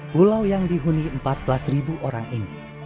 pulau yang dihuni empat belas orang ini